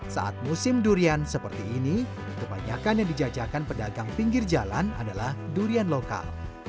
saat musim durian seperti ini kebanyakan yang dijajakan pedagang pinggir jalan adalah durian lokal